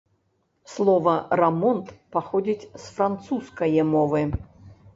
Слова „рамонт“ паходзіць з францускае мовы.